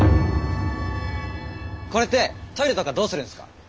これってトイレとかどうするんすか？